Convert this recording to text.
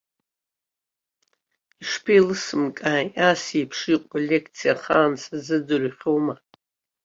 Ишԥеилысымкааи, ас еиԥш иҟоу алекциа ахаан сазыӡырҩхьоума.